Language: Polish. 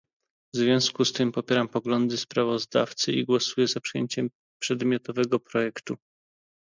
W związku z tym popieram poglądy sprawozdawcy i głosuję za przyjęciem przedmiotowego projektu